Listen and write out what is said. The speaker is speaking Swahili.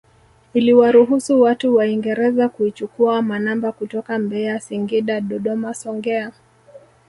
Iliwaruhusu watu waingereza kuichukua manamba kutoka Mbeya Singida Dodoma Songea